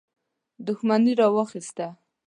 دښمني راواخیسته.